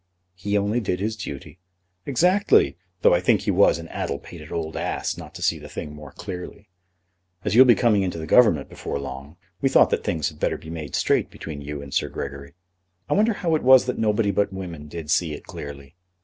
"He only did his duty." "Exactly; though I think he was an addle pated old ass not to see the thing more clearly. As you'll be coming into the Government before long, we thought that things had better be made straight between you and Sir Gregory. I wonder how it was that nobody but women did see it clearly?